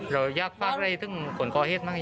และส่วนหลังแค่ไปสั่งโดยสังคม